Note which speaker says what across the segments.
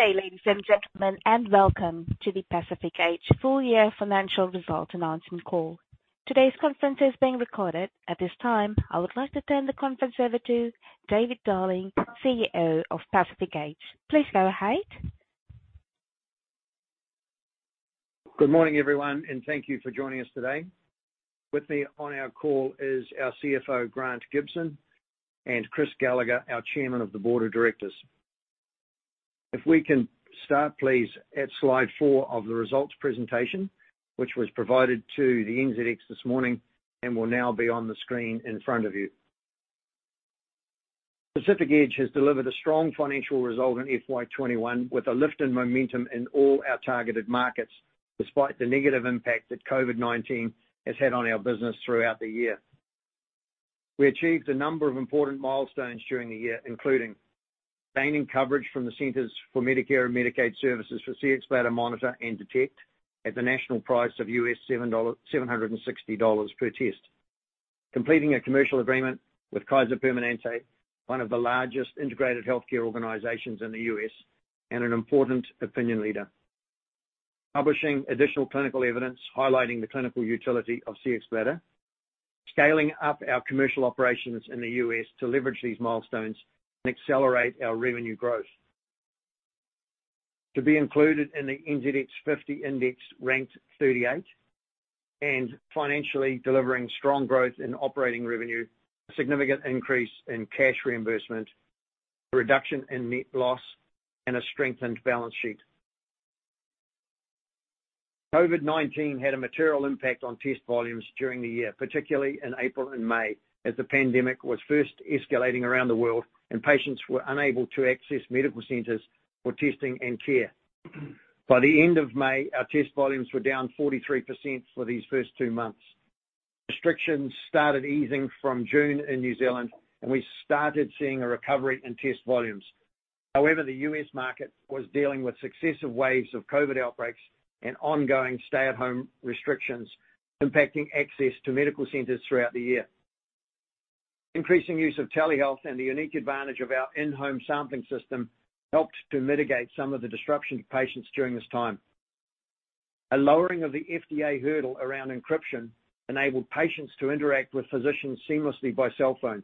Speaker 1: Good day, ladies and gentlemen, and welcome to the Pacific Edge full year financial results announcement call. Today's conference is being recorded. At this time, I would like to turn the conference over to David Darling, CEO of Pacific Edge. Please go ahead.
Speaker 2: Good morning, everyone, and thank you for joining us today. With me on our call is our CFO, Grant Gibson, and Chris Gallaher, our Chairman of the Board of Directors. If we can start please at slide four of the results presentation, which was provided to the NZX this morning and will now be on the screen in front of you. Pacific Edge has delivered a strong financial result in FY 2021 with a lift in momentum in all our targeted markets, despite the negative impact that COVID-19 has had on our business throughout the year. We achieved a number of important milestones during the year, including gaining coverage from the Centers for Medicare & Medicaid Services for Cxbladder Monitor and Detect at the national price of US $760 per test. Completing a commercial agreement with Kaiser Permanente, one of the largest integrated healthcare organizations in the U.S. and an important opinion leader. Publishing additional clinical evidence highlighting the clinical utility of Cxbladder. Scaling up our commercial operations in the U.S. to leverage these milestones and accelerate our revenue growth. To be included in the NZX 50 Index ranked 38, and financially delivering strong growth in operating revenue, a significant increase in cash reimbursement, a reduction in net loss, and a strengthened balance sheet. COVID-19 had a material impact on test volumes during the year, particularly in April and May, as the pandemic was first escalating around the world and patients were unable to access medical centers for testing and care. By the end of May, our test volumes were down 43% for these first two months. Restrictions started easing from June in New Zealand, and we started seeing a recovery in test volumes. However, the U.S. market was dealing with successive waves of COVID-19 outbreaks and ongoing stay-at-home restrictions impacting access to medical centers throughout the year. Increasing use of telehealth and the unique advantage of our in-home sampling system helped to mitigate some of the disruption to patients during this time. A lowering of the FDA hurdle around encryption enabled patients to interact with physicians seamlessly by cellphone.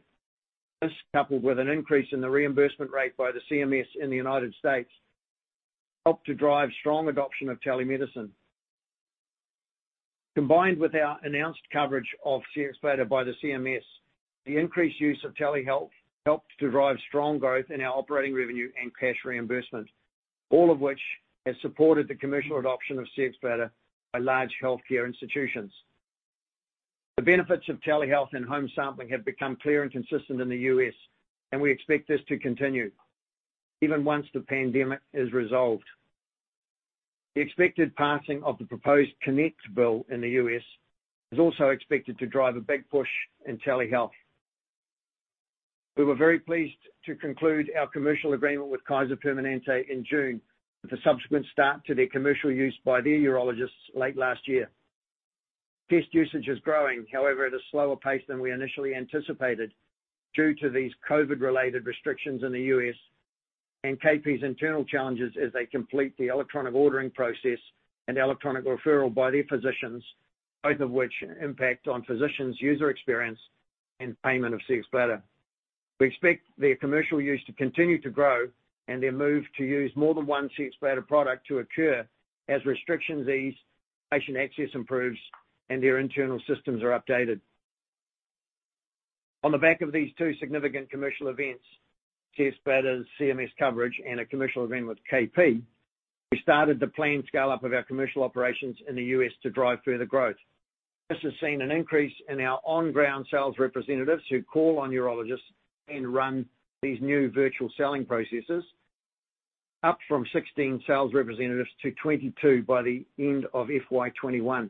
Speaker 2: This, coupled with an increase in the reimbursement rate by the CMS in the U.S., helped to drive strong adoption of telemedicine. Combined with our announced coverage of Cxbladder by the CMS, the increased use of telehealth helped to drive strong growth in our operating revenue and cash reimbursement, all of which has supported the commercial adoption of Cxbladder by large healthcare institutions. The benefits of telehealth and home sampling have become clear and consistent in the U.S. We expect this to continue even once the pandemic is resolved. The expected passing of the proposed CONNECT bill in the U.S. is also expected to drive a big push in telehealth. We were very pleased to conclude our commercial agreement with Kaiser Permanente in June with the subsequent start to their commercial use by the urologists late last year. Test usage is growing, however, at a slower pace than we initially anticipated due to these COVID-19-related restrictions in the U.S. and KP's internal challenges as they complete the electronic ordering process and electronic referral by their physicians, both of which impact on physicians' user experience and payment of Cxbladder. We expect their commercial use to continue to grow and their move to use more than one Cxbladder product to occur as restrictions ease, patient access improves, and their internal systems are updated. On the back of these two significant commercial events, Cxbladder's CMS coverage and a commercial agreement with KP, we started the planned scale-up of our commercial operations in the U.S. to drive further growth. This has seen an increase in our on-ground sales representatives who call on urologists and run these new virtual selling processes, up from 16 sales representatives to 22 by the end of FY 2021.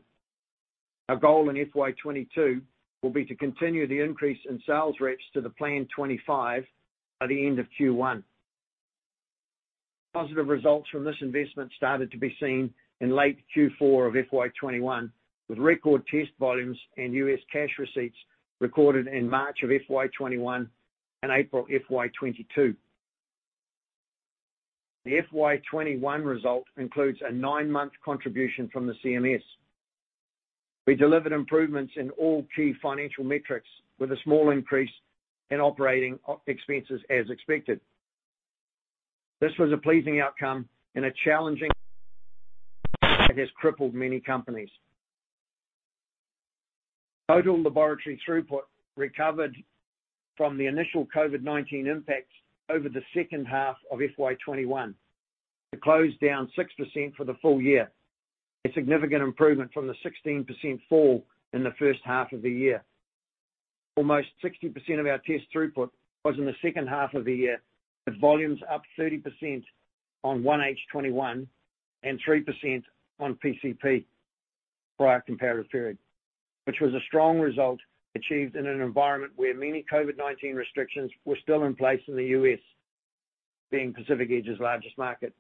Speaker 2: Our goal in FY 2022 will be to continue the increase in sales reps to the planned 25 by the end of Q1. Positive results from this investment started to be seen in late Q4 of FY 2021, with record test volumes and U.S. cash receipts recorded in March of FY 2021 and April FY 2022. The FY 2021 result includes a nine-month contribution from the CMS. We delivered improvements in all key financial metrics with a small increase in operating expenses as expected. This was a pleasing outcome in a challenging year that has crippled many companies. Total laboratory throughput recovered from the initial COVID-19 impact over the second half of FY 2021. It closed down 6% for the full year, a significant improvement from the 16% fall in the first half of the year. Almost 60% of our test throughput was in the second half of the year, with volumes up 30% on H1 2021 and 3% on PCP, prior comparative period, which was a strong result achieved in an environment where many COVID-19 restrictions were still in place in the U.S., being Pacific Edge's largest market.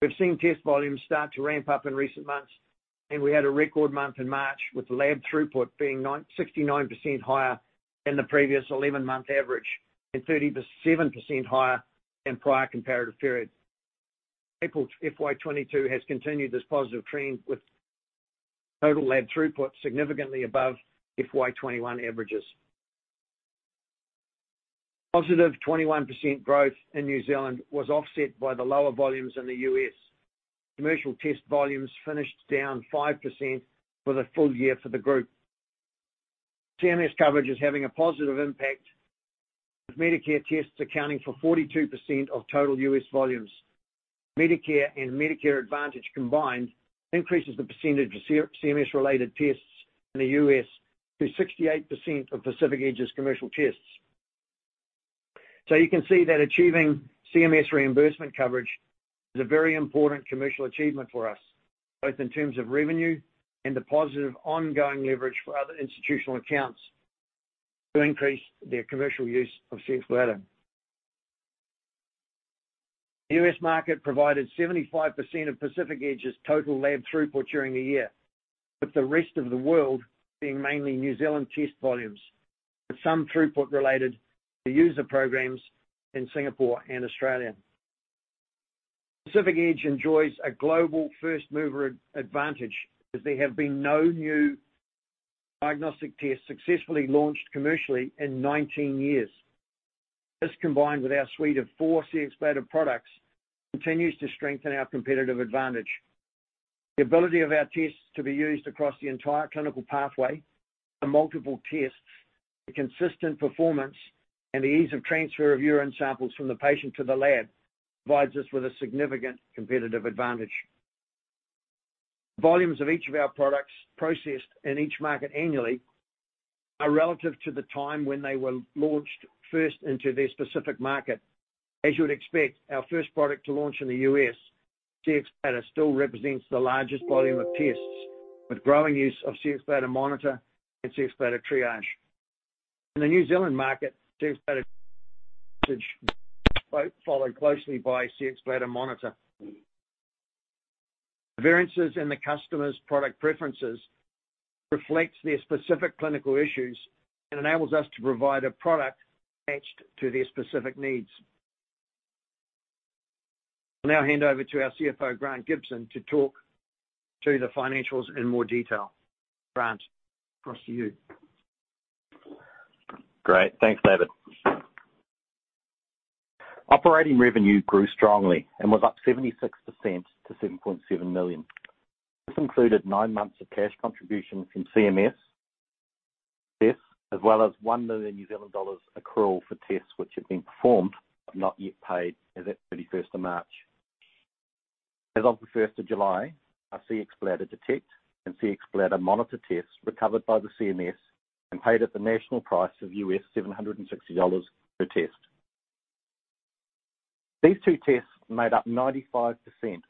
Speaker 2: We've seen test volumes start to ramp up in recent months. We had a record month in March with lab throughput being 69% higher than the previous 11-month average and 37% higher than prior comparative periods. April FY 2022 has continued this positive trend with total lab throughput significantly above FY 2021 averages. Positive 21% growth in New Zealand was offset by the lower volumes in the U.S. Commercial test volumes finished down 5% for the full year for the group. CMS coverage is having a positive impact, with Medicare tests accounting for 42% of total U.S. volumes. Medicare and Medicare Advantage combined increases the percentage of CMS-related tests in the U.S. to 68% of Pacific Edge's commercial tests. You can see that achieving CMS reimbursement coverage is a very important commercial achievement for us, both in terms of revenue and the positive ongoing leverage for other institutional accounts to increase their commercial use of Cxbladder. The U.S. market provided 75% of Pacific Edge's total lab throughput during the year, with the rest of the world being mainly New Zealand test volumes, with some throughput related to user programs in Singapore and Australia. Pacific Edge enjoys a global first-mover advantage as there have been no new diagnostic tests successfully launched commercially in 19 years. This, combined with our suite of four Cxbladder products, continues to strengthen our competitive advantage. The ability of our tests to be used across the entire clinical pathway, the multiple tests, the consistent performance, and the ease of transfer of urine samples from the patient to the lab provides us with a significant competitive advantage. Volumes of each of our products processed in each market annually are relative to the time when they were launched first into their specific market. As you'd expect, our first product to launch in the U.S., Cxbladder, still represents the largest volume of tests, with growing use of Cxbladder Monitor and Cxbladder Triage. In the New Zealand market, Cxbladder usage was followed closely by Cxbladder Monitor. The variances in the customer's product preferences reflects their specific clinical issues and enables us to provide a product matched to their specific needs. I'll now hand over to our CFO, Grant Gibson, to talk through the financials in more detail. Grant, across to you.
Speaker 3: Great. Thanks, David. Operating revenue grew strongly and was up 76% to 7.7 million. This included nine months of cash contributions from CMS tests, as well as 1 million New Zealand dollars accrual for tests which have been performed but not yet paid as at March 31st. As of the July 1st, our Cxbladder Detect and Cxbladder Monitor tests were covered by the CMS and paid at the national price of $760 per test. These two tests made up 95%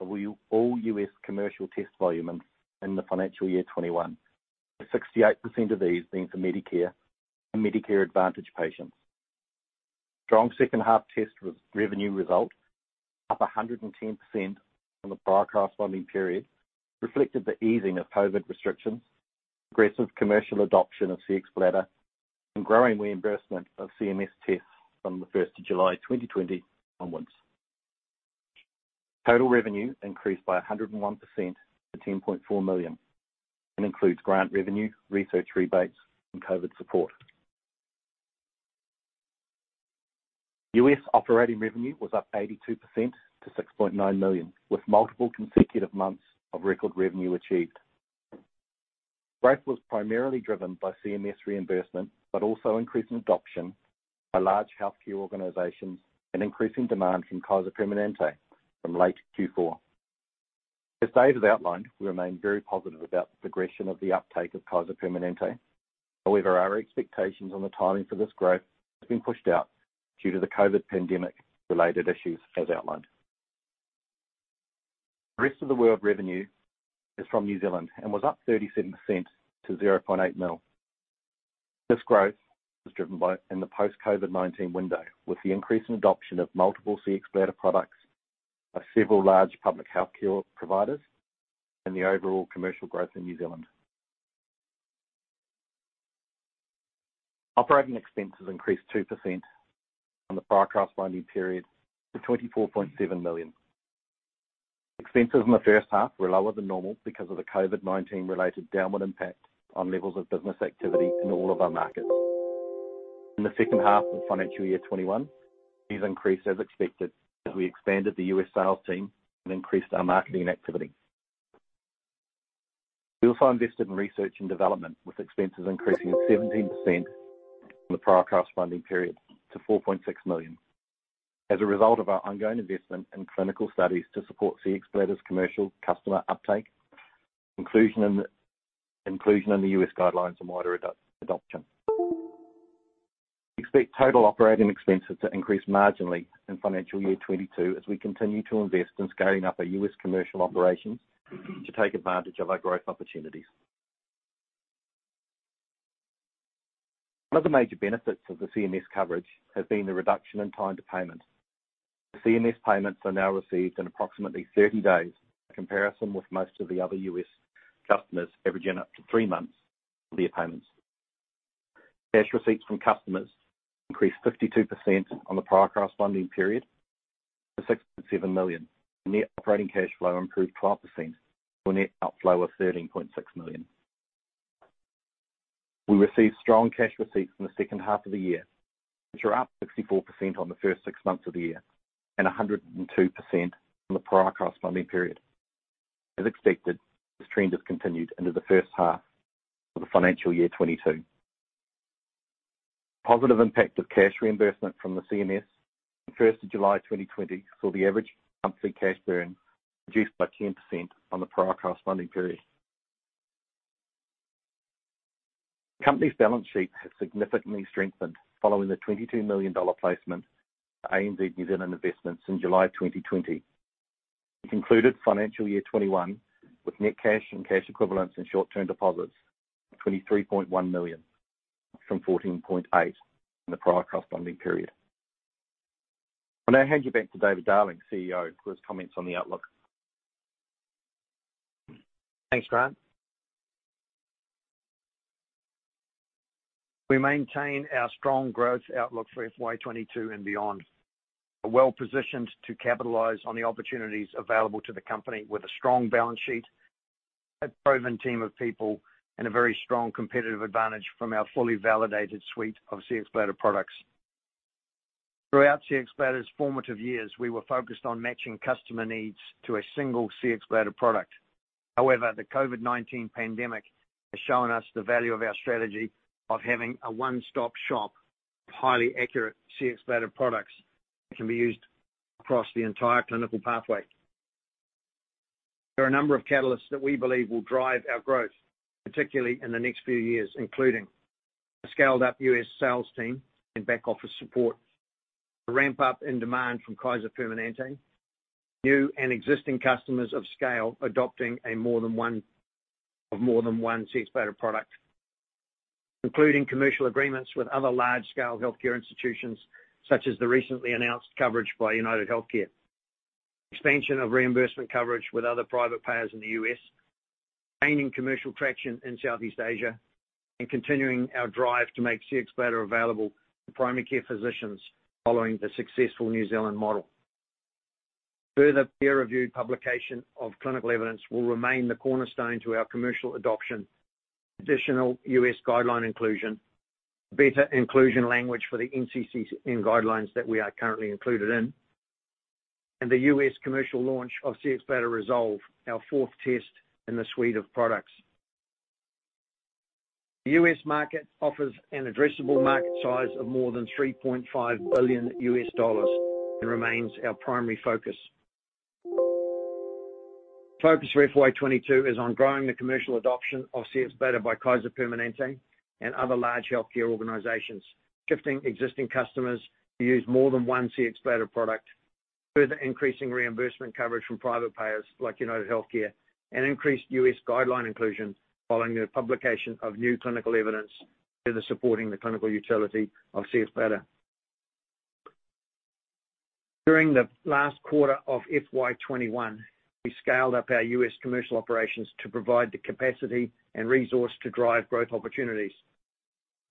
Speaker 3: of all U.S. commercial test volumes in the financial year 2021, with 68% of these being for Medicare and Medicare Advantage patients. Strong second half test revenue results, up 110% from the prior corresponding period, reflected the easing of COVID restrictions, aggressive commercial adoption of Cxbladder, and growing reimbursement of CMS tests from the July 1st, 2020 onwards. Total revenue increased by 101% to 10.4 million and includes grant revenue, research rebates, and COVID-19 support. U.S. operating revenue was up 82% to 6.9 million, with multiple consecutive months of record revenue achieved. Growth was primarily driven by CMS reimbursement but also increasing adoption by large healthcare organizations and increasing demand from Kaiser Permanente from late Q4. As David outlined, we remain very positive about the progression of the uptake of Kaiser Permanente. However, our expectations on the timing for this growth has been pushed out due to the COVID-19 pandemic-related issues as outlined. The rest of the world revenue is from New Zealand and was up 37% to 0.8 million. This growth was driven by in the post-COVID-19 window, with the increasing adoption of multiple Cxbladder products by several large public healthcare providers and the overall commercial growth in New Zealand. Operating expenses increased 2% from the prior corresponding period to 24.7 million. Expenses in the first half were lower than normal because of the COVID-19-related downward impact on levels of business activity in all of our markets. In the second half of financial year 2021, these increased as expected as we expanded the U.S. sales team and increased our marketing activity. We also invested in research and development, with expenses increasing 17% from the prior corresponding period to 4.6 million. As a result of our ongoing investment in clinical studies to support Cxbladder's commercial customer uptake, inclusion in the U.S. guidelines and wider adoption. We expect total operating expenses to increase marginally in financial year 2022 as we continue to invest in scaling up our U.S. commercial operations to take advantage of our growth opportunities. One of the major benefits of the CMS coverage has been the reduction in time to payment. The CMS payments are now received in approximately 30 days in comparison with most of the other U.S. customers averaging up to three months for their payments. Cash receipts from customers increased 52% on the prior corresponding period to 6.7 million. Net operating cash flow improved 12% to a net outflow of 13.6 million. We received strong cash receipts in the second half of the year, which are up 64% on the first six months of the year and 102% on the prior corresponding period. As expected, the trend has continued into the first half of the financial year 2022. Positive impact of cash reimbursement from the CMS from the July 1st, 2020 saw the average monthly cash burn reduced by 10% on the prior corresponding period. Company's balance sheet has significantly strengthened following the 22 million dollar placement from ANZ New Zealand Investments in July 2020. We concluded financial year 2021 with net cash and cash equivalents and short-term deposits of 23.1 million, up from 14.8 million in the prior corresponding period. I'll now hand you back to David Darling, CEO, for his comments on the outlook.
Speaker 2: Thanks, Grant. We maintain our strong growth outlook for FY 2022 and beyond. We're well-positioned to capitalize on the opportunities available to the company with a strong balance sheet, a proven team of people, and a very strong competitive advantage from our fully validated suite of Cxbladder products. Throughout Cxbladder's formative years, we were focused on matching customer needs to a single Cxbladder product. However, the COVID-19 pandemic has shown us the value of our strategy of having a one-stop shop of highly accurate Cxbladder products that can be used across the entire clinical pathway. There are a number of catalysts that we believe will drive our growth, particularly in the next few years, including a scaled-up U.S. sales team and back-office support, a ramp-up in demand from Kaiser Permanente, new and existing customers of scale adopting of more than one Cxbladder product, concluding commercial agreements with other large-scale healthcare institutions, such as the recently announced coverage by UnitedHealthcare, expansion of reimbursement coverage with other private payers in the U.S., gaining commercial traction in Southeast Asia, and continuing our drive to make Cxbladder available to primary care physicians following the successful New Zealand model. Further peer-reviewed publication of clinical evidence will remain the cornerstone to our commercial adoption, additional U.S. guideline inclusion, better inclusion language for the NCCN guidelines that we are currently included in, and the U.S. commercial launch of Cxbladder Resolve, our fourth test in the suite of products. The U.S. market offers an addressable market size of more than $3.5 billion and remains our primary focus. The focus for FY 2022 is on growing the commercial adoption of Cxbladder by Kaiser Permanente and other large healthcare organizations, shifting existing customers to use more than one Cxbladder product, further increasing reimbursement coverage from private payers like UnitedHealthcare, and increased U.S. guideline inclusion following the publication of new clinical evidence further supporting the clinical utility of Cxbladder. During the last quarter of FY 2021, we scaled up our U.S. commercial operations to provide the capacity and resource to drive growth opportunities.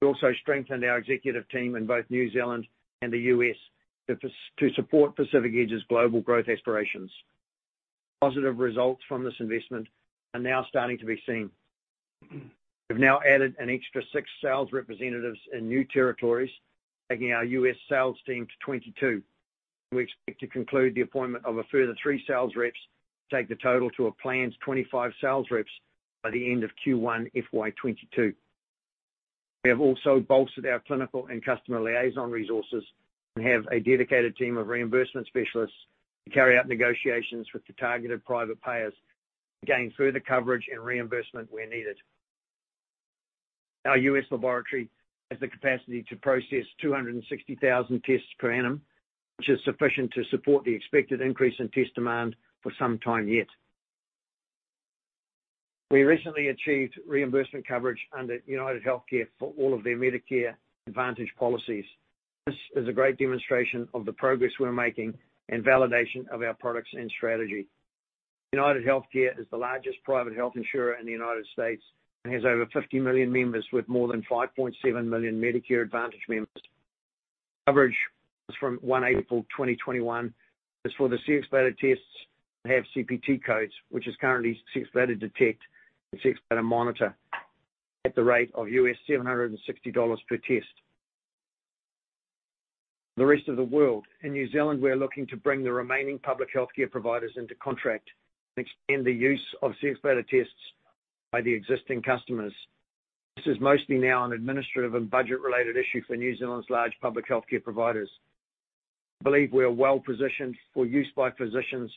Speaker 2: We also strengthened our executive team in both New Zealand and the U.S. to support Pacific Edge's global growth aspirations. Positive results from this investment are now starting to be seen. We've now added an extra six sales representatives in new territories, taking our U.S. sales team to 22. We expect to conclude the appointment of a further three sales reps to take the total to a planned 25 sales reps by the end of Q1 FY 2022. We have also bolstered our clinical and customer liaison resources and have a dedicated team of reimbursement specialists to carry out negotiations with the targeted private payers to gain further coverage and reimbursement where needed. Our U.S. laboratory has the capacity to process 260,000 tests per annum, which is sufficient to support the expected increase in test demand for some time yet. We recently achieved reimbursement coverage under UnitedHealthcare for all of their Medicare Advantage policies. This is a great demonstration of the progress we're making and validation of our products and strategy. UnitedHealthcare is the largest private health insurer in the U.S. and has over 50 million members with more than 5.7 million Medicare Advantage members. Coverage from April 1, 2021, is for the Cxbladder tests that have CPT codes, which is currently Cxbladder Detect and Cxbladder Monitor, at the rate of $760 per test. For the rest of the world, in New Zealand, we are looking to bring the remaining public healthcare providers into contract and extend the use of Cxbladder tests by the existing customers. This is mostly now an administrative and budget-related issue for New Zealand's large public healthcare providers. We believe we are well-positioned for use by physicians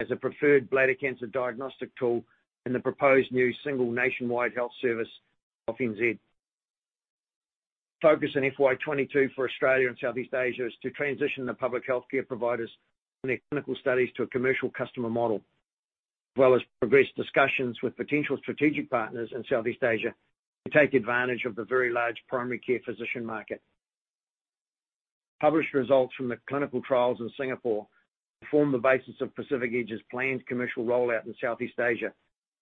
Speaker 2: as a preferred bladder cancer diagnostic tool in the proposed new single nationwide health service, Health NZ. Focus in FY 2022 for Australia and Southeast Asia is to transition the public healthcare providers from their clinical studies to a commercial customer model. Progress discussions with potential strategic partners in Southeast Asia to take advantage of the very large primary care physician market. Published results from the clinical trials in Singapore form the basis of Pacific Edge's planned commercial rollout in Southeast Asia,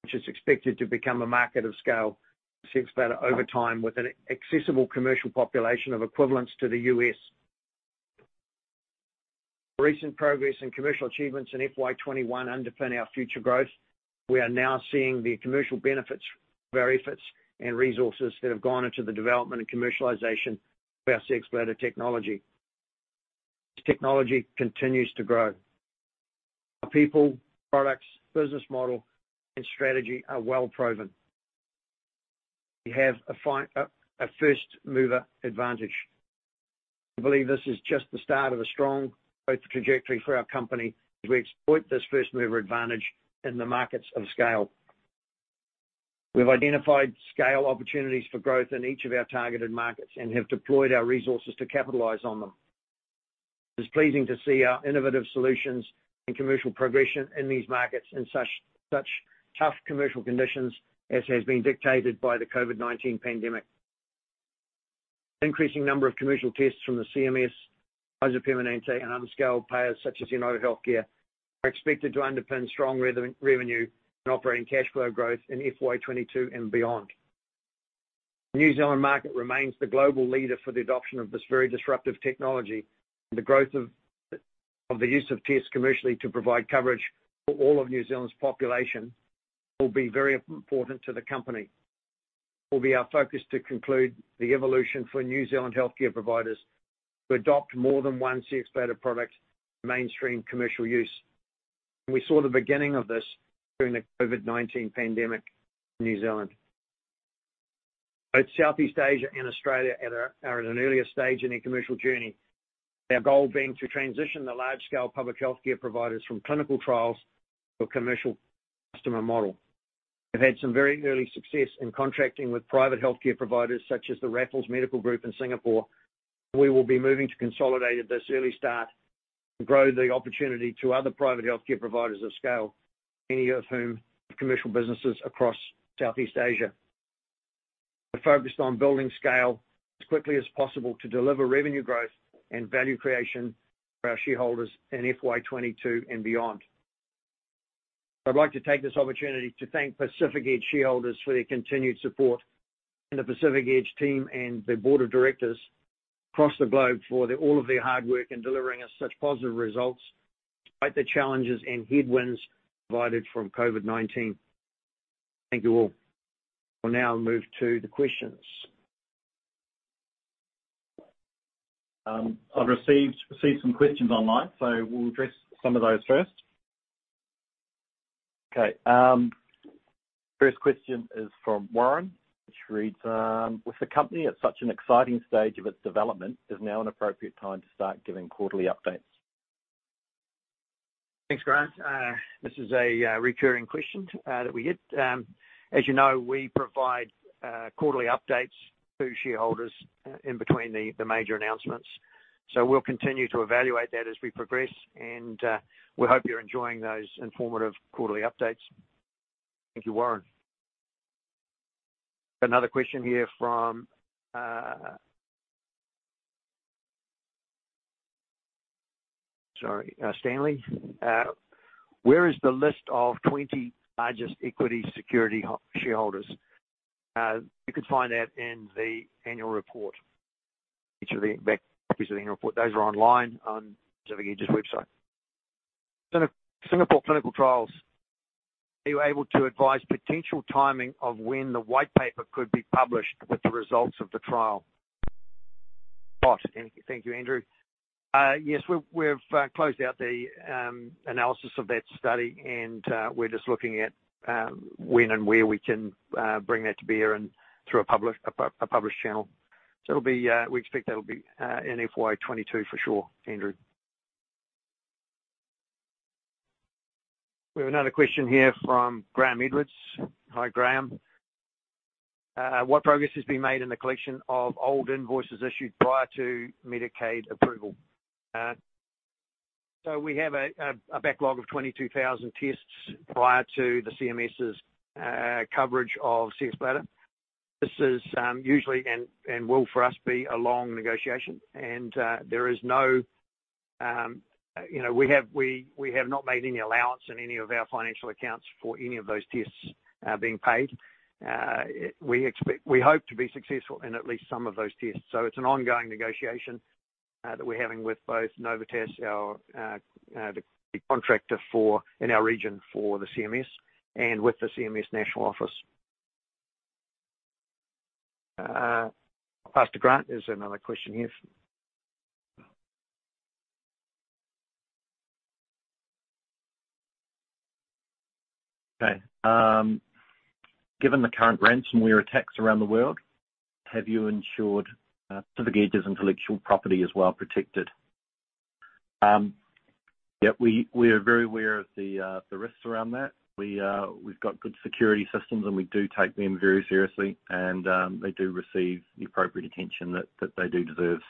Speaker 2: which is expected to become a market of scale for Cxbladder over time, with an accessible commercial population of equivalence to the U.S. Recent progress and commercial achievements in FY 2021 underpin our future growth. We are now seeing the commercial benefits of our efforts and resources that have gone into the development and commercialization of our Cxbladder technology. Technology continues to grow. Our people, products, business model, and strategy are well-proven. We have a first-mover advantage and believe this is just the start of a strong growth trajectory for our company as we exploit this first-mover advantage in the markets of scale. We've identified scale opportunities for growth in each of our targeted markets and have deployed our resources to capitalize on them. It's pleasing to see our innovative solutions and commercial progression in these markets in such tough commercial conditions as has been dictated by the COVID-19 pandemic. Increasing number of commercial tests from the CMS, Kaiser Permanente, and other scale players such as Novitas, are expected to underpin strong revenue and operating cash flow growth in FY 2022 and beyond. The New Zealand market remains the global leader for the adoption of this very disruptive technology, and the growth of the use of tests commercially to provide coverage for all of New Zealand's population will be very important to the company. It will be our focus to conclude the evolution for New Zealand healthcare providers to adopt more than one Cxbladder product for mainstream commercial use, and we saw the beginning of this during the COVID-19 pandemic in New Zealand. Both Southeast Asia and Australia are at an earlier stage in their commercial journey, their goal being to transition the large-scale public healthcare providers from clinical trials to a commercial customer model. They've had some very early success in contracting with private healthcare providers such as the Raffles Medical Group in Singapore. We will be moving to consolidate this early start and grow the opportunity to other private healthcare providers of scale, many of whom have commercial businesses across Southeast Asia. We're focused on building scale as quickly as possible to deliver revenue growth and value creation for our shareholders in FY 2022 and beyond. I'd like to take this opportunity to thank Pacific Edge shareholders for their continued support, and the Pacific Edge team and the board of directors across the globe for all of their hard work in delivering us such positive results despite the challenges and headwinds provided from COVID-19. Thank you all. I'll now move to the questions.
Speaker 3: I see some questions online, so we'll address some of those first. Okay. First question is from Warren, which reads, "With the company at such an exciting stage of its development, is now an appropriate time to start giving quarterly updates?"
Speaker 2: Thanks, Warren. This is a recurring question that we get. As you know, we provide quarterly updates to shareholders in between the major announcements, so we'll continue to evaluate that as we progress, and we hope you're enjoying those informative quarterly updates. Thank you, Warren. Another question here from Stanley. Where is the list of 20 largest equity security shareholders?" You can find that in the annual report. Back copies of the annual report. Those are online on Pacific Edge's website.
Speaker 3: Singapore clinical trials. "Are you able to advise potential timing of when the white paper could be published with the results of the trial?"
Speaker 2: Thank you, Andrew. Yes, we've closed out the analysis of that study, and we're just looking at when and where we can bring that to bear and through a published channel. We expect that will be in FY 2022 for sure, Andrew. We have another question here from Graham Edwards. Hi, Graham. "What progress has been made in the collection of old invoices issued prior to Medicare approval?" We have a backlog of 22,000 tests prior to the CMS's coverage of Cxbladder. This is usually, and will for us be, a long negotiation. We have not made any allowance in any of our financial accounts for any of those tests being paid. We hope to be successful in at least some of those tests. It's an ongoing negotiation that we're having with both Novitas, the contractor in our region for the CMS, and with the CMS national office. Pass to Grant. There's another question here.
Speaker 3: Okay. Given the current ransomware attacks around the world, have you ensured Pacific Edge's intellectual property is well protected? Yeah. We are very aware of the risks around that. We've got good security systems, and we do take them very seriously, and they do receive the appropriate attention that they do deserve.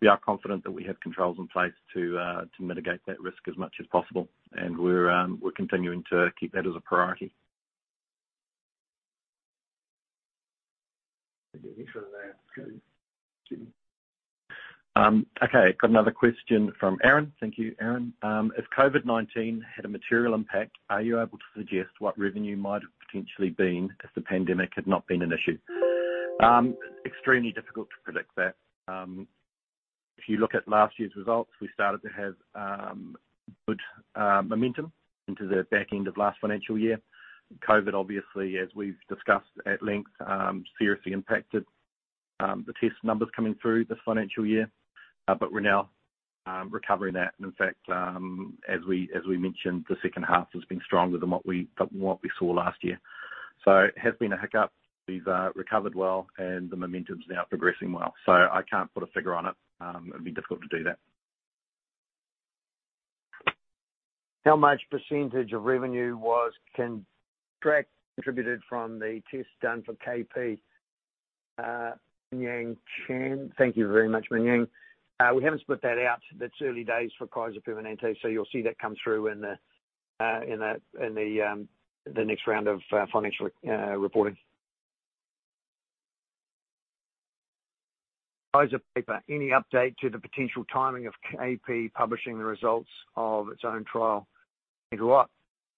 Speaker 3: We are confident that we have controls in place to mitigate that risk as much as possible, and we're continuing to keep that as a priority. Okay, got another question from Aaron. Thank you, Aaron. If COVID-19 had a material impact, are you able to suggest what revenue might have potentially been if the pandemic had not been an issue? Extremely difficult to predict that. If you look at last year's results, we started to have good momentum into the back end of last financial year. COVID-19 obviously, as we've discussed at length, seriously impacted the test numbers coming through this financial year. We're now recovering that. In fact, as we mentioned, the second half has been stronger than what we saw last year. It has been a hiccup. We've recovered well and the momentum's now progressing well. I can't put a figure on it. It'd be difficult to do that.
Speaker 2: How much percentage of revenue was contract contributed from the tests done for KP? Ming Yang Chan, thank you very much, Ming Yang. We haven't split that out. It's early days for Kaiser Permanente, so you'll see that come through in the next round of financial reporting. Kaiser paper, any update to the potential timing of KP publishing the results of its own trial? Andrew Yip.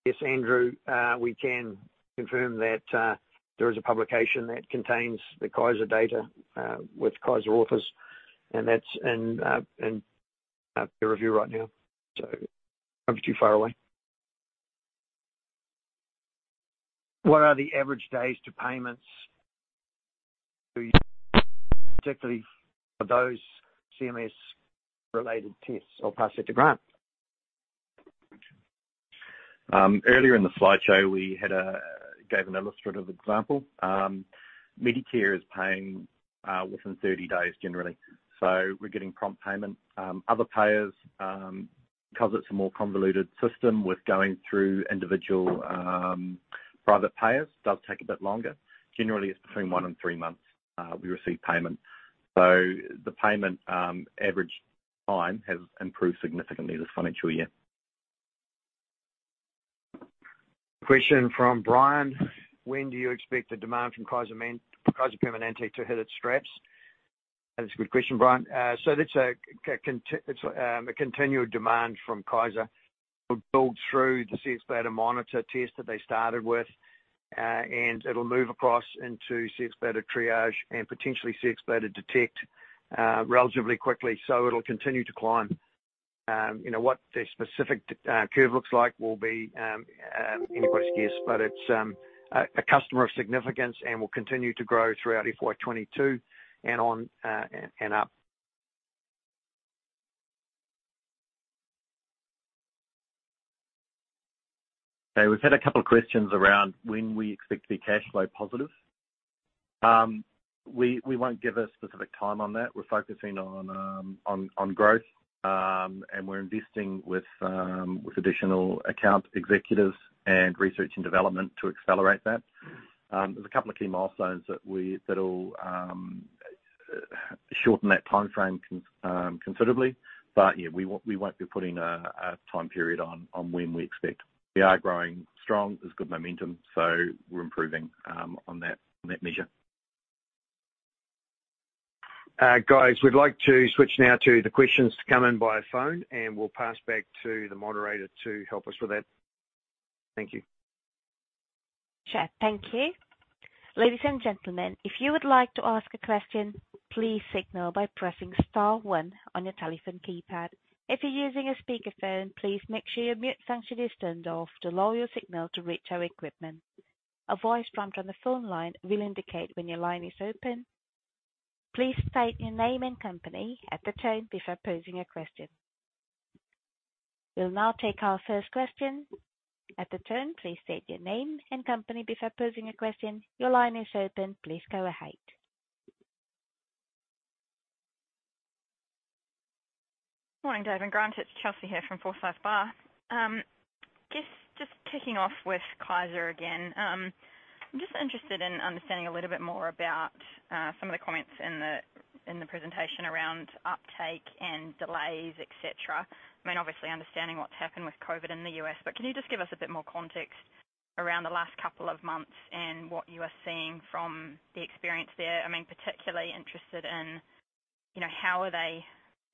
Speaker 2: Yes, Andrew, we can confirm that there is a publication that contains the Kaiser data, which Kaiser authors, and that's in peer review right now, so hopefully not too far away. What are the average days to payments, particularly for those CMS-related tests or Pacific Edge?
Speaker 3: Earlier in the slideshow, we gave an illustrative example. Medicare is paying within 30 days generally, so we're getting prompt payment. Other payers, because it's a more convoluted system with going through individual private payers, does take a bit longer. Generally, it's between one and three months we receive payment. The payment average time has improved significantly this financial year.
Speaker 2: Question from Brian, when do you expect the demand from Kaiser Permanente to hit its straps? That's a good question, Brian. That's a continual demand from Kaiser. It'll build through the Cxbladder Monitor test that they started with, and it'll move across into Cxbladder Triage and potentially Cxbladder Detect relatively quickly. It'll continue to climb. What the specific curve looks like will be an input guess, but it's a customer of significance and will continue to grow throughout FY 2022 and on and up.
Speaker 3: Okay, we've had a couple of questions around when we expect to be cash flow positive. We won't give a specific time on that. We're focusing on growth, and we're investing with additional account executives and research and development to accelerate that. There's a couple of key milestones that'll shorten that timeframe considerably. Yeah, we won't be putting a time period on when we expect. We are growing strong. There's good momentum, so we're improving on that measure. Guys, we'd like to switch now to the questions to come in via phone, and we'll pass back to the moderator to help us with that. Thank you.
Speaker 1: Sure. Thank you. Ladies and gentlemen, if you would like to ask a question, please signal by pressing star one on your telephone keypad. If you're using a speakerphone, please make sure you have your sensitivity turned off to allow your signal to reach our equipment. A voice prompt on the phone line will indicate when your line is open. Please state your name and company at the tone before posing your question. We'll now take our first question. At the tone, please state your name and company before posing a question. Your line is open. Please go ahead.
Speaker 4: Morning, David and Grant. It's Chelsea here from Forsyth Barr. Just kicking off with Kaiser again. I'm just interested in understanding a little bit more about some of the points in the presentation around uptake and delays, et cetera. I mean obviously understanding what's happened with COVID in the U.S., can you just give us a bit more context around the last couple of months and what you are seeing from the experience there? I'm particularly interested in how are they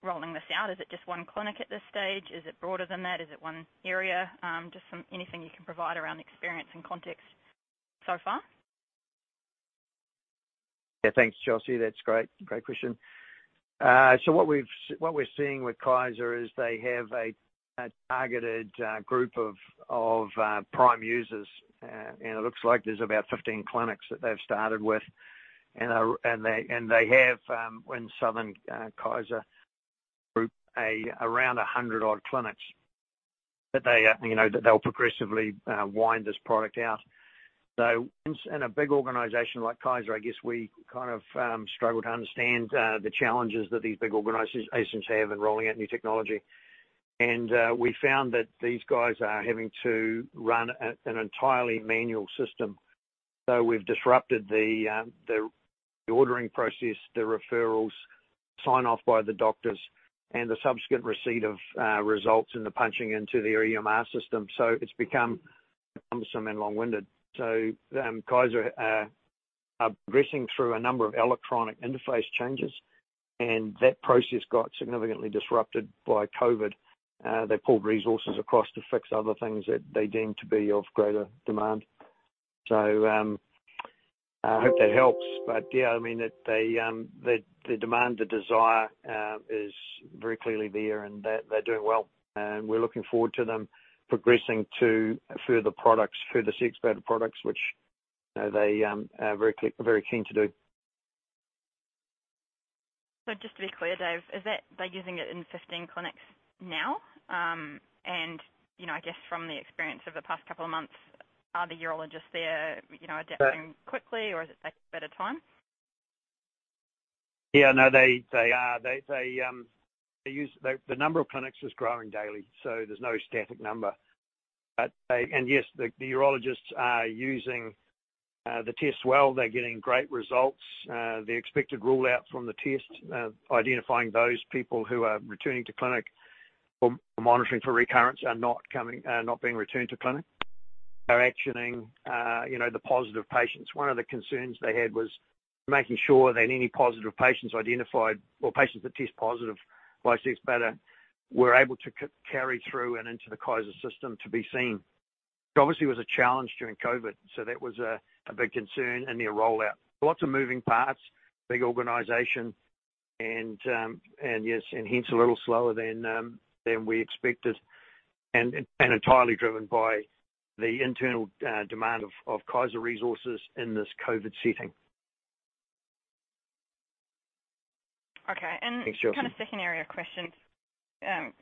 Speaker 4: rolling this out. Is it just one clinic at this stage? Is it broader than that? Is it one area? Just anything you can provide around experience and context so far.
Speaker 2: Yeah. Thanks, Chelsea. That's great. Great question. What we're seeing with Kaiser is they have a targeted group of prime users, and it looks like there's about 15 clinics that they've started with. They have in Southern Kaiser group, around 100 odd clinics that they'll progressively wind this product out. In a big organization like Kaiser, I guess we kind of struggle to understand the challenges that these big organizations have in rolling out new technology. We found that these guys are having to run an entirely manual system. We've disrupted the ordering process, the referrals, sign-off by the doctors and the subsequent receipt of results in the punching into their EMR system. It's become somewhat long-winded. Kaiser are progressing through a number of electronic interface changes, and that process got significantly disrupted by COVID-19. They pulled resources across to fix other things that they deemed to be of greater demand. I hope that helps. Yeah, the demand, the desire is very clearly there, and they're doing well. We're looking forward to them progressing to further products, further Cxbladder products, which they are very keen to do.
Speaker 4: Just to be clear, David, they're using it in 15 clinics now? Just from the experience over the past couple of months, are the urologists there, are they coming quickly or is it taking a bit of time?
Speaker 2: Yeah, no, they are. The number of clinics is growing daily, so there's no static number. Yes, the urologists are using the test well. They're getting great results. The expected rule out from the test, identifying those people who are returning to clinic or monitoring for recurrence are not being returned to clinic. They're actioning the positive patients. One of the concerns they had was making sure that any positive patients identified or patients that test positive by Cxbladder, were able to carry through and into the Kaiser system to be seen. Obviously, it was a challenge during COVID, so that was a big concern in their rollout. Lots of moving parts, big organization, and yes, hence a little slower than we expected and entirely driven by the internal demand of Kaiser resources in this COVID setting.
Speaker 4: Okay.
Speaker 2: Thanks, Chelsea.
Speaker 4: Kind of second area of question,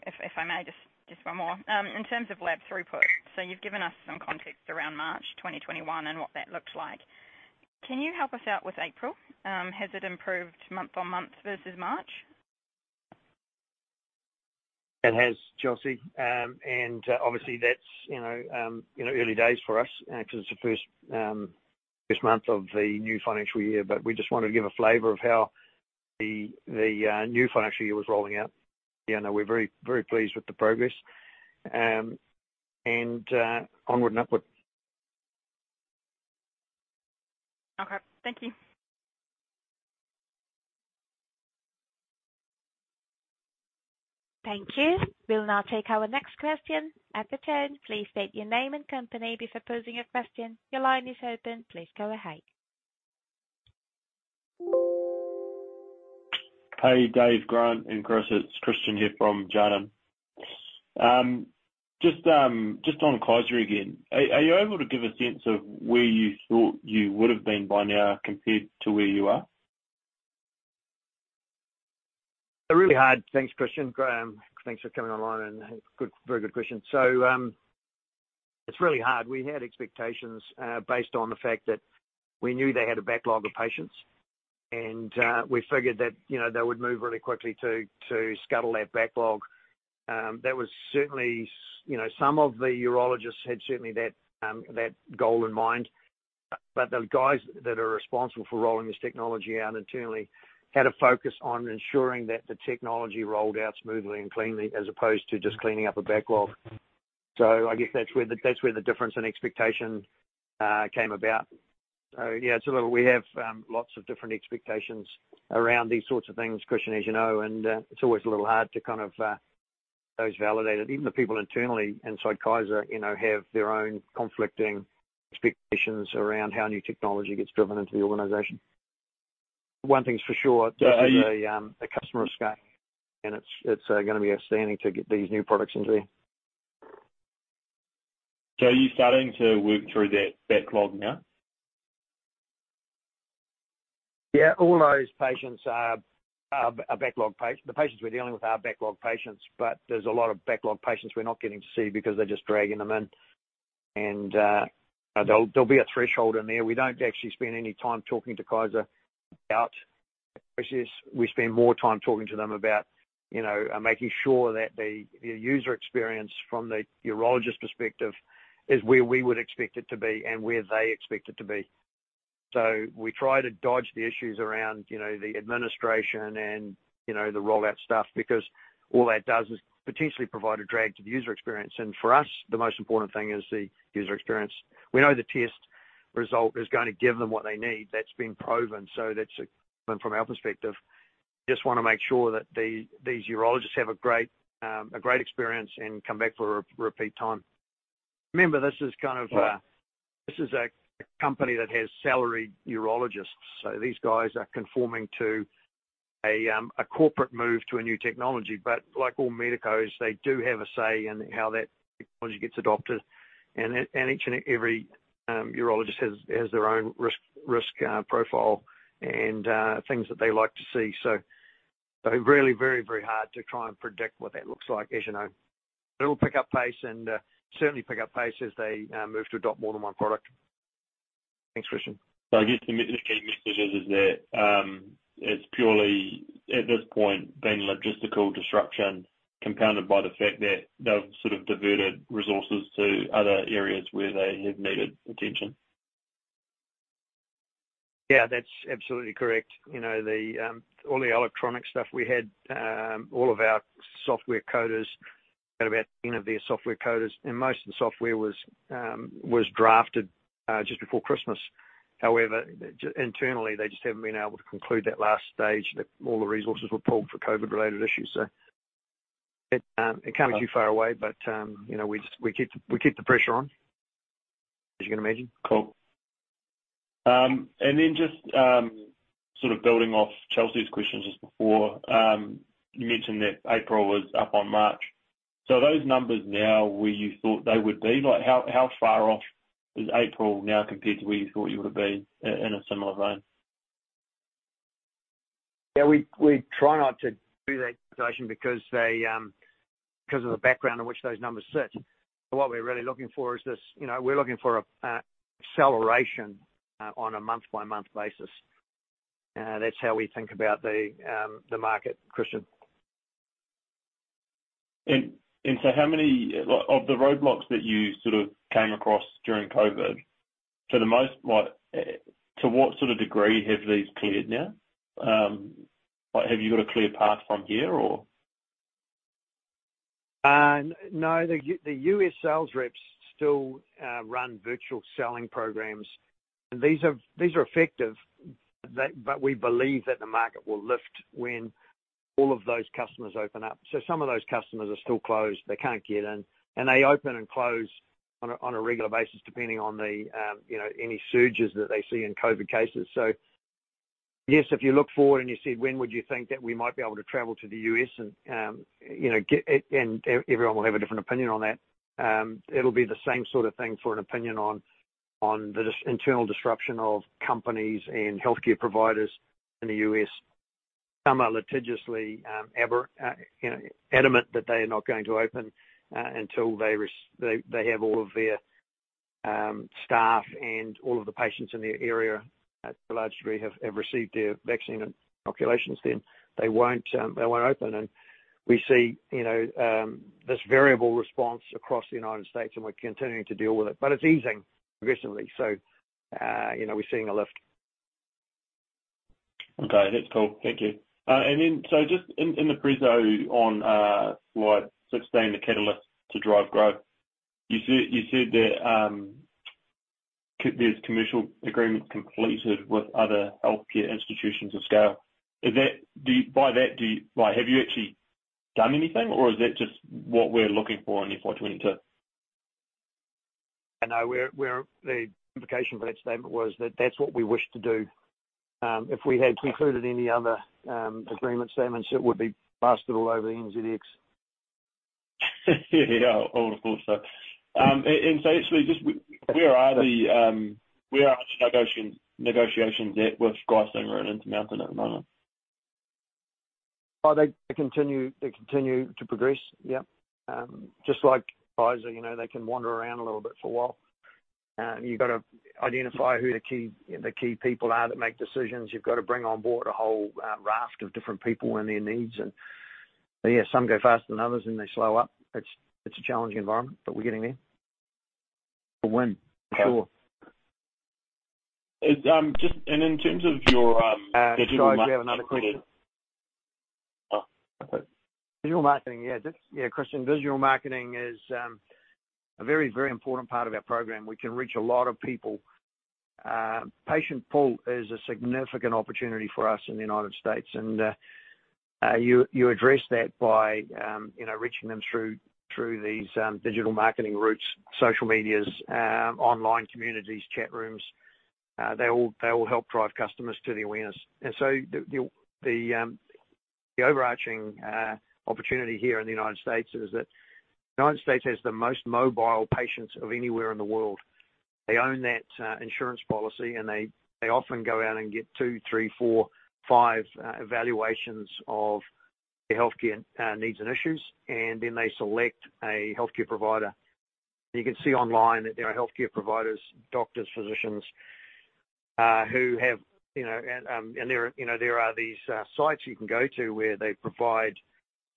Speaker 4: if I may, just one more. In terms of lab throughput. You've given us some context around March 2021 and what that looks like. Can you help us out with April? Has it improved month-on-month versus March?
Speaker 2: It has, Chelsea. Obviously, that's early days for us as it's the first month of the new financial year, we just want to give a flavor of how the new financial year was rolling out. We're very pleased with the progress, onward and upward.
Speaker 4: Okay. Thank you.
Speaker 1: Thank you. We'll now take our next question. As a turn, please state your name and company before posing your question. Your line is open. Please go ahead.
Speaker 5: Hey, Dave, Grant, and Chris. It's Christian here from Jarden. Just on Kaiser again. Are you able to give a sense of where you thought you would be by now compared to where you are?
Speaker 2: Really hard. Thanks, Christian. Thanks for coming along, and very good question. It's really hard. We had expectations based on the fact that we knew they had a backlog of patients, and we figured that they would move really quickly to scuttle that backlog. Some of the urologists had certainly that goal in mind. The guys that are responsible for rolling this technology out internally had a focus on ensuring that the technology rolled out smoothly and cleanly, as opposed to just cleaning up a backlog. I guess that's where the difference in expectation came about. Yeah, we have lots of different expectations around these sorts of things, Christian, as you know, and it's always a little hard to those validate. Even the people internally inside Kaiser have their own conflicting expectations around how new technology gets driven into the organization. One thing's for sure, they have a customer of scale, and it's going to be outstanding to get these new products in there.
Speaker 5: Are you starting to work through that backlog now?
Speaker 2: Yeah, all those patients are backlog. The patients we're dealing with are backlog patients, but there's a lot of backlog patients we're not getting to see because they're just dragging them in. There'll be a threshold in there. We don't actually spend any time talking to Kaiser about that process. We spend more time talking to them about making sure that the user experience from the urologist perspective is where we would expect it to be and where they expect it to be. We try to dodge the issues around the administration and the rollout stuff, because all that does is potentially provide a drag to the user experience. For us, the most important thing is the user experience. We know the test result is going to give them what they need. That's been proven. That's, from our perspective, just want to make sure that these urologists have a great experience and come back for a repeat time. Remember, this is a company that has salaried urologists, so these guys are conforming to a corporate move to a new technology. Like all medicos, they do have a say in how that technology gets adopted. Each and every urologist has their own risk profile and things that they like to see. Really very hard to try and predict what that looks like, as you know. It'll pick up pace and certainly pick up pace as they move to adopt more than one product. Thanks, Christian.
Speaker 5: I guess the key message is that it's purely, at this point, been logistical disruption compounded by the fact that they've sort of diverted resources to other areas where they have needed attention.
Speaker 2: Yeah, that's absolutely correct. All the electronic stuff we had, all of our software coders, about any of their software coders, and most of the software was drafted just before Christmas. Internally, they just haven't been able to conclude that last stage that all the resources were pulled for COVID-related issues. It can't be far away, but we keep the pressure on, as you can imagine.
Speaker 5: Cool. Just building off Chelsea's questions just before, you mentioned that April was up on March. Those numbers now where you thought they would be. How far off is April now compared to where you thought you would be in a similar vein?
Speaker 2: Yeah, we try not to do that comparison because of the background in which those numbers sit. What we're really looking for is this, we're looking for an acceleration on a month-by-month basis. That's how we think about the market, Christian.
Speaker 5: Of the roadblocks that you came across during COVID, to what degree have these cleared now? Have you got a clear path from here or?
Speaker 2: No, the U.S. sales reps still run virtual selling programs. These are effective, but we believe that the market will lift when all of those customers open up. Some of those customers are still closed. They can't get in. They open and close on a regular basis, depending on any surges that they see in COVID-19 cases. Yes, if you look forward and you say, when would you think that we might be able to travel to the U.S., and everyone will have a different opinion on that. It'll be the same sort of thing for an opinion on the internal disruption of companies and healthcare providers in the U.S. Some are litigiously adamant that they're not going to open until they have all of their staff and all of the patients in their area to a large degree have received their vaccine inoculations, then they won't open. We see this variable response across the U.S., and we're continuing to deal with it, but it's easing progressively. We're seeing a lift.
Speaker 5: Okay. That's cool. Thank you. Just in the preso on slide 16, the catalysts to drive growth, you said that there's commercial agreements completed with other healthcare institutions of scale. By that, have you actually done anything or is that just what we're looking for in FY 2022?
Speaker 2: No, the implication for that statement was that that's what we wish to do. If we had concluded any other agreement statements, it would be blasted all over NZX.
Speaker 5: Yeah. Of course, sir. Actually, where are the negotiations at with Geisinger and Intermountain at the moment?
Speaker 2: They continue to progress. Yep. Just like buyers, they can wander around a little bit for a while. You've got to identify who the key people are that make decisions. You've got to bring on board a whole raft of different people and their needs. Yeah, some go faster than others, and they slow up. It's a challenging environment, but we're getting there. It's a win, for sure.
Speaker 5: In terms of your-
Speaker 2: Sorry, I do have another question.
Speaker 5: Oh, go for it.
Speaker 2: Visual marketing. Christian, visual marketing is a very important part of our program. We can reach a lot of people. Patient pull is a significant opportunity for us in the U.S. You address that by reaching them through these digital marketing routes, social medias, online communities, chat rooms. They all help drive customers to the awareness. The overarching opportunity here in the U.S. is that the U.S. has the most mobile patients of anywhere in the world. They own that insurance policy. They often go out and get two, three, four, five evaluations of their healthcare needs and issues. Then they select a healthcare provider. You can see online that there are healthcare providers, doctors, physicians. There are these sites you can go to where they provide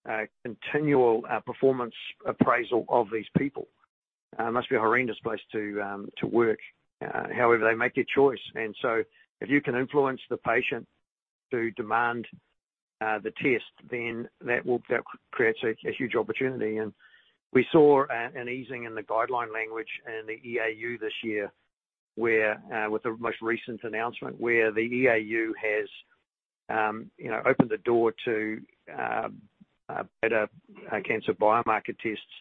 Speaker 2: a continual performance appraisal of these people. It must be a horrendous place to work. They make their choice. If you can influence the patient to demand the test, then that creates a huge opportunity. We saw an easing in the guideline language in the EAU this year with the most recent announcement where the EAU has opened the door to better cancer biomarker tests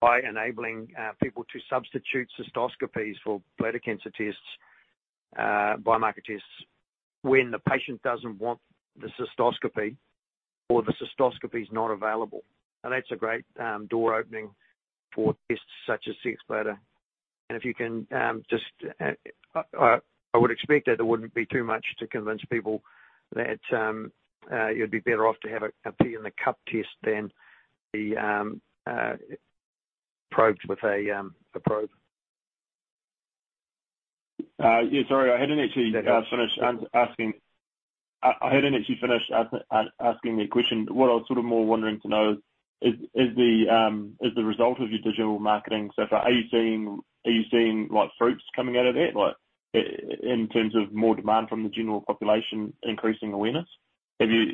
Speaker 2: by enabling people to substitute cystoscopies for bladder cancer tests, biomarker tests, when the patient doesn't want the cystoscopy or the cystoscopy is not available. That's a great door opening for tests such as Cxbladder. I would expect that it wouldn't be too much to convince people that you'd be better off to have a pee in a cup test than be probed with a probe.
Speaker 5: Yeah. Sorry, I hadn't actually finished asking that question. What I was more wanting to know is, as a result of your digital marketing stuff, are you seeing fruits coming out of that? In terms of more demand from the general population, increasing awareness. Have you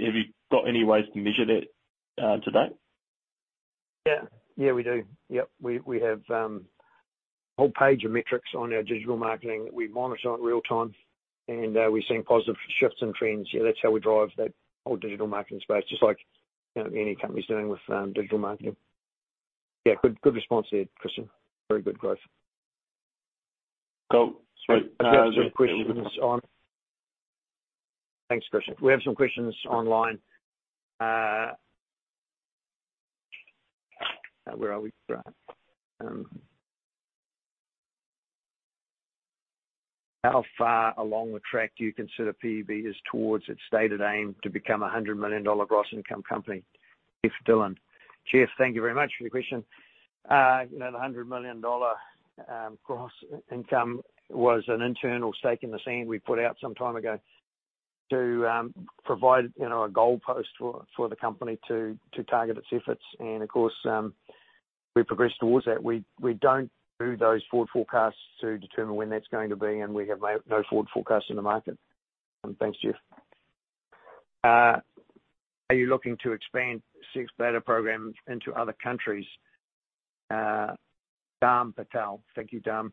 Speaker 5: got any ways to measure that to date?
Speaker 2: Yeah, we do. Yep. We have a whole page of metrics on our digital marketing that we monitor in real time, and we're seeing positive shifts and trends. Yeah, that's how we drive that whole digital marketing space. Just like any company dealing with digital marketing. Yeah, good response there, Christian. Very good, guys.
Speaker 5: Cool. Sweet.
Speaker 2: Thanks, Christian. We have some questions online. Where are we, Grant? How far along the track do you consider PEB is towards its stated aim to become a 100 million dollar gross income company? Jeff Dillon. Jeff, thank you very much for your question. That 100 million dollar gross income was an internal stake in the sand we put out some time ago to provide a goalpost for the company to target its efforts. Of course, we progress towards that. We don't do those forward forecasts to determine when that's going to be, and we have no forward forecasts in the market. Thanks, Jeff. Are you looking to expand Cxbladder programs into other countries? Dhan Patel. Thank you, Dhan.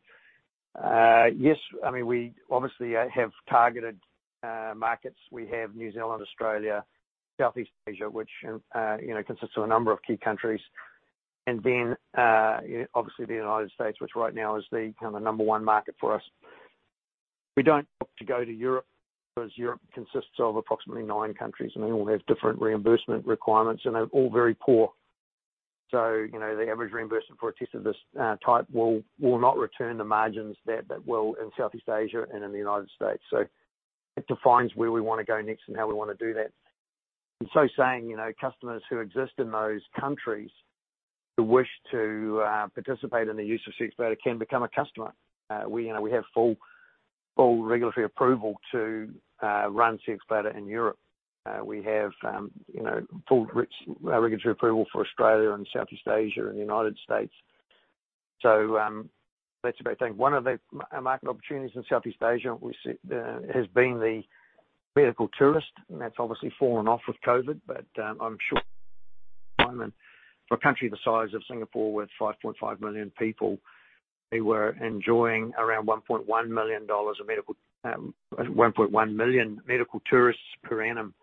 Speaker 2: Yes, we obviously have targeted markets. We have New Zealand, Australia, Southeast Asia, which consists of a number of key countries. Obviously the U.S., which right now has become the number one market for us. We don't opt to go to Europe because Europe consists of approximately nine countries, and they all have different reimbursement requirements, and they're all very poor. The average reimbursement for a test of this type will not return the margins there that will in Southeast Asia and in the U.S. It defines where we want to go next and how we want to do that. Customers who exist in those countries who wish to participate in the use of Cxbladder can become a customer. We have full regulatory approval to run Cxbladder in Europe. We have full regulatory approval for Australia and Southeast Asia and the U.S. That's a big thing. One of the market opportunities in Southeast Asia obviously has been the medical tourist, and that's obviously fallen off with COVID. I'm sure for a country the size of Singapore with 5.5 million people, they were enjoying around 1.1 million dollars of medical, 1.1 million medical tourists per annum,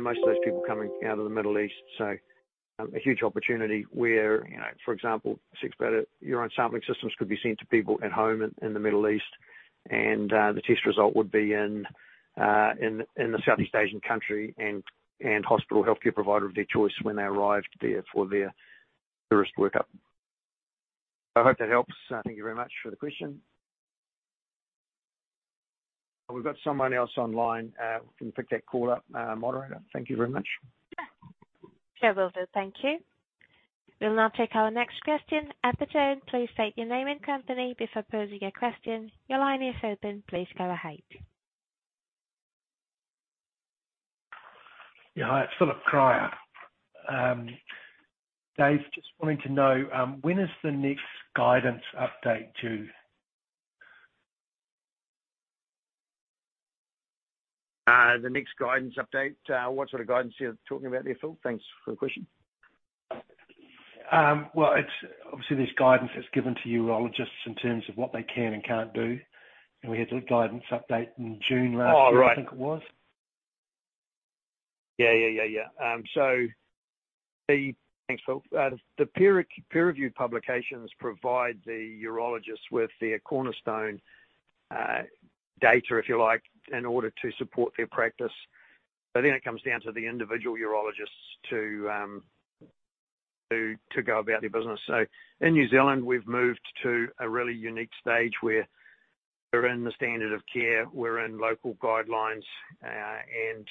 Speaker 2: most of those people coming out of the Middle East. A huge opportunity where, for example, Cxbladder urine sampling systems could be sent to people at home in the Middle East, and the test result would be in the Southeast Asian country and hospital healthcare provider of their choice when they arrived there for their tourist workup. I hope that helps. Thank you very much for the question. We've got somebody else online. If you can pick that call up, moderator. Thank you very much.
Speaker 1: Sure will, David. Thank you. We'll now take our next question. At the tone, please state your name and company before posing a question. The line is open. Please go ahead.
Speaker 6: Yeah, it's Philip Cryer. Dave, just wanting to know, when is the next guidance update due?
Speaker 2: The next guidance update? What sort of guidance you're talking about there, Phil? Thanks for the question.
Speaker 6: Well, obviously, there's guidance that's given to urologists in terms of what they can and can't do, and we had a guidance update in June last year, I think it was.
Speaker 2: Oh, right. Yeah. Thanks, Phil. The peer-reviewed publications provide the urologists with their cornerstone data, if you like, in order to support their practice. It comes down to the individual urologists to go about their business. In New Zealand, we've moved to a really unique stage where we're in the standard of care, we're in local guidelines, and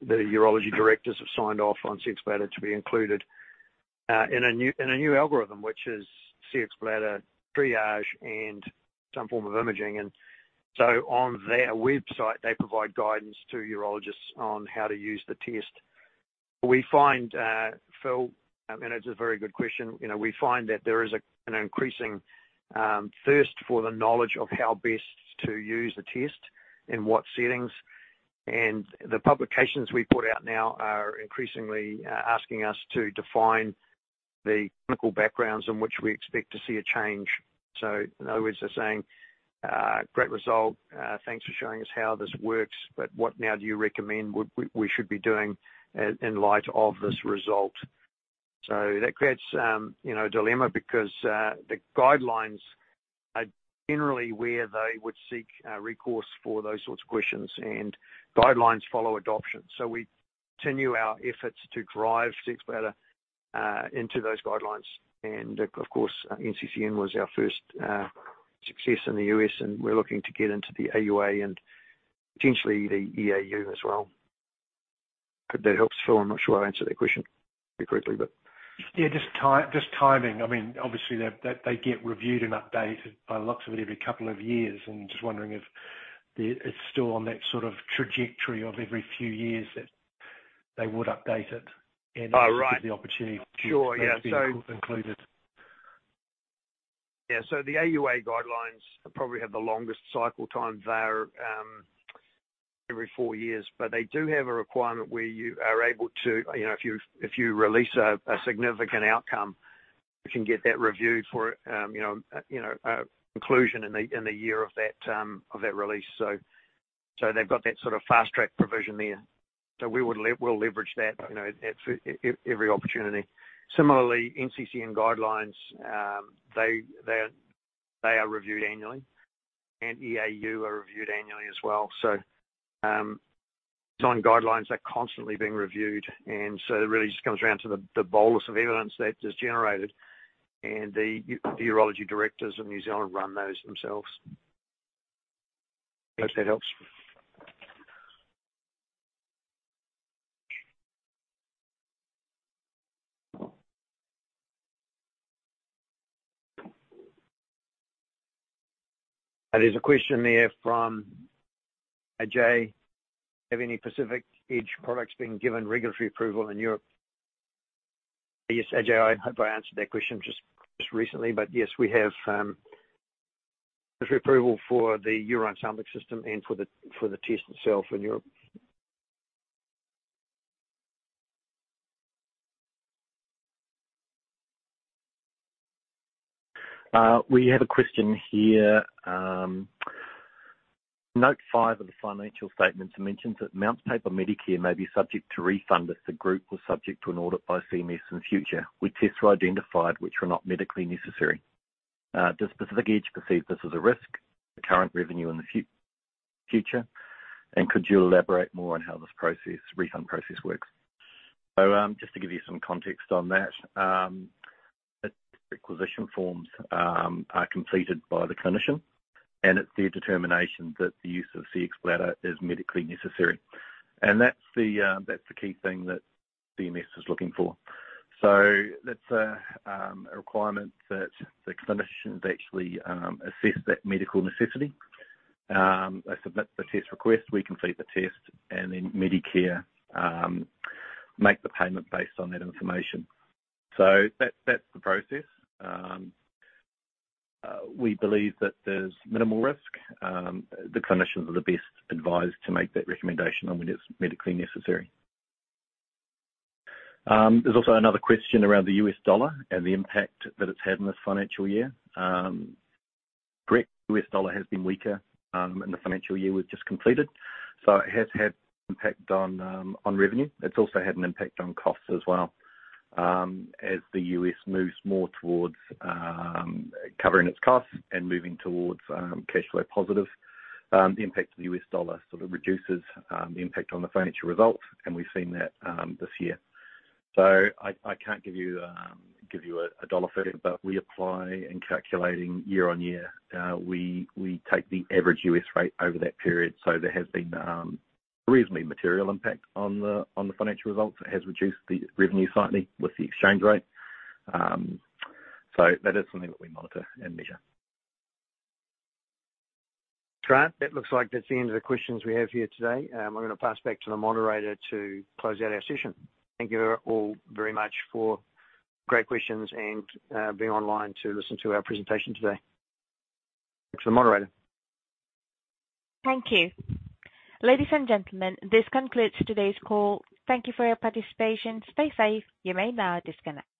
Speaker 2: the urology directors have signed off on Cxbladder to be included in a new algorithm, which is Cxbladder Triage and some form of imaging. On their website, they provide guidance to urologists on how to use the test. We find, Phil, and it's a very good question, we find that there is an increasing thirst for the knowledge of how best to use the test in what settings, and the publications we put out now are increasingly asking us to define the clinical backgrounds in which we expect to see a change. In other words, they're saying, "Great result. Thanks for showing us how this works, but what now do you recommend we should be doing in light of this result?" That creates a dilemma because the guidelines are generally where they would seek recourse for those sorts of questions, and guidelines follow adoption. We continue our efforts to drive Cxbladder into those guidelines. Of course, NCCN was our first success in the U.S., and we're looking to get into the AUA and potentially the EAU as well. Hope that helps. I'm not sure I answered that question correctly.
Speaker 6: Yeah, just timing. Obviously, they get reviewed and updated by lots of it every couple of years, and just wondering if it's still on that sort of trajectory of every few years that they would update it.
Speaker 2: Oh, right.
Speaker 6: Give the opportunity-
Speaker 2: Sure, yeah.
Speaker 6: -have vehicles included.
Speaker 2: The AUA guidelines probably have the longest cycle time there, every four years. They do have a requirement where you are able to, if you release a significant outcome, you can get that reviewed for inclusion in the year of that release. They've got that sort of fast-track provision there. We'll leverage that every opportunity. Similarly, NCCN guidelines, they are reviewed annually, and EAU are reviewed annually as well. Design guidelines are constantly being reviewed, and so it really just comes down to the bolus of evidence that is generated, and the urology directors of New Zealand run those themselves. I hope that helps. There's a question there from Ajay. Have any Pacific Edge products been given regulatory approval in Europe? Yes, Ajay, I hope I answered that question just recently. Yes, we have regulatory approval for the urine sampling system and for the test itself in Europe.
Speaker 3: We have a question here. Note five of the financial statements mentions that amounts payable to Medicare may be subject to refund if the group was subject to an audit by CMS in the future with tests identified which are not medically necessary. Does Pacific Edge perceive this as a risk to current revenue in the future? Could you elaborate more on how this refund process works? Just to give you some context on that. Requisition forms are completed by the clinician, and it's their determination that the use of Cxbladder is medically necessary. That's the key thing that CMS is looking for. That's a requirement that the clinicians actually assess that medical necessity. They submit the test request, we complete the test, and then Medicare make the payment based on that information. That's the process. We believe that there's minimal risk. The clinicians are the best advised to make that recommendation on when it's medically necessary. There's also another question around the U.S. dollar and the impact that it's had on the financial year. Correct. U.S. dollar has been weaker in the financial year we've just completed. It has had an impact on revenue. It's also had an impact on costs as well. As the U.S. moves more towards covering its costs and moving towards cash flow positive, the impact of the U.S. dollar sort of reduces the impact on the financial results, and we've seen that this year. I can't give you a dollar figure, but we apply in calculating year on year. We take the average US rate over that period. There has been a reasonably material impact on the financial results. It has reduced the revenue slightly with the exchange rate. That is something that we monitor and measure.
Speaker 2: Grant, that looks like that's the end of the questions we have here today. I'm going to pass back to the moderator to close out our session. Thank you all very much for great questions and being online to listen to our presentation today. Back to the moderator.
Speaker 1: Thank you. Ladies and gentlemen, this concludes today's call. Thank you for your participation. Stay safe. You may now disconnect.